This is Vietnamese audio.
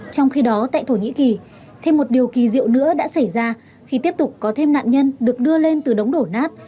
trong khi đó tại thổ nhĩ kỳ thêm một điều kỳ diệu nữa đã xảy ra khi tiếp tục có thêm nạn nhân được đưa lên từ đống đổ nát